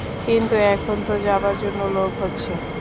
কিন্তু এখন তো যাবার জন্য লোভ হচ্ছে।